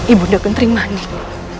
ibunda kentering manik